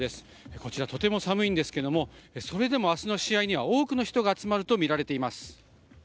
こちら、とても寒いんですけれども、それでもあすの試合には多くの人が集まると見られています。